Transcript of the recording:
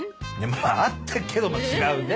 まあ合ってるけども違うね。